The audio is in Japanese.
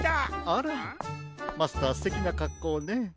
あらマスターすてきなかっこうね。